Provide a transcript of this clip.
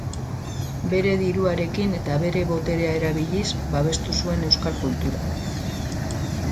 Bere diruarekin eta bere poderea erabiliz, babestu zuen euskal kultura.